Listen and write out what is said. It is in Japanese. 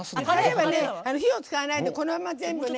火を使わないで、このまま全部。